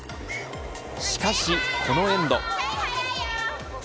しかしこのエンド。